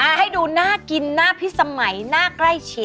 ให้ดูน่ากินน่าพิษสมัยหน้าใกล้ชิด